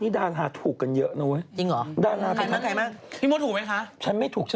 พี่หนุ่มกันชายแล้วใครอีกฮะ